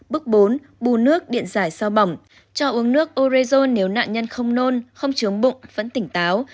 bước bốn bù nước điện giải sao bỏng cho uống nước orezon nếu nạn nhân không nôn không chướng bụng vẫn tỉnh táo